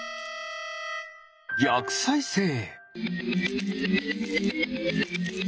ぎゃくさいせい！